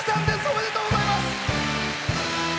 おめでとうございます。